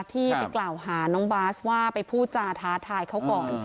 ที่ไปกล่าวหาน้องบาสว่าไปพูดจาท้าทายเขาก่อน